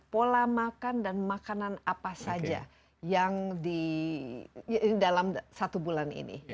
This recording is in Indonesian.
pola makan dan makanan apa saja yang di dalam satu bulan ini